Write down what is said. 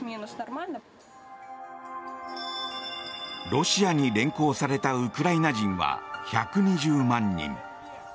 ロシアに連行されたウクライナ人は１２０万人。